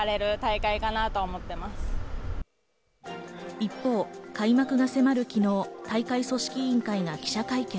一方、開幕が迫る昨日、大会組織委員会が記者会見。